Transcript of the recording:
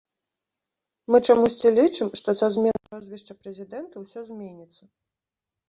Мы чамусьці лічым, што са зменай прозвішча прэзідэнта ўсё зменіцца.